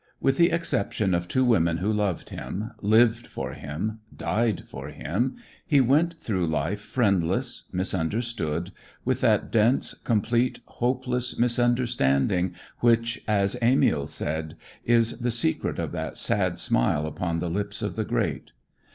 With the exception of two women who loved him, lived for him, died for him, he went through life friendless, misunderstood, with that dense, complete, hopeless misunderstanding which, as Amiel said, is the secret of that sad smile upon the lips of the great.